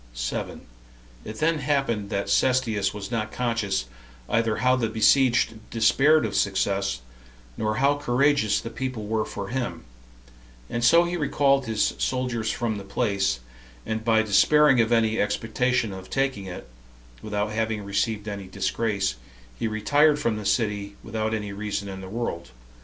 It then happened that Cestius was not conscious either how the besieged despaired of success, nor how courageous the people were for him; and so he recalled his soldiers from the place, and by despairing of any expectation of taking it, without having received any disgrace, he retired from the city, without any reason in the world.